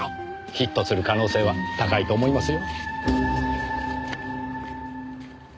ヒットする可能性は高いと思いますよ。